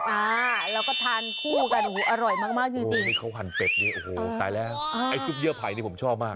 อ่าแล้วก็ทานคู่กันโอ้โหอร่อยมากมากจริงจริงนี่เขาหั่นเป็ดนี่โอ้โหตายแล้วไอ้ซุปเยื่อไผ่นี่ผมชอบมาก